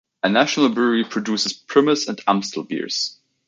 A national brewery produces Primus and Amstel beers.